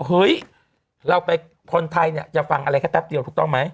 เฮ้ยเราไปคนไทยเนี่ยจะฟังอะไรแค่แป๊บเดียวถูกต้องไหม